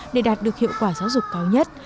để đạt được hiệu quả giáo dục cao nhất